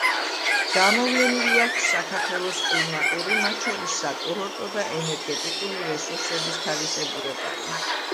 გამოვლენილი აქვს საქართველოს კლიმატური, მათ შორის საკურორტო და ენერგეტიკული რესურსების თავისებურებანი.